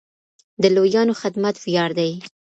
د لويانو خدمت وياړ دی.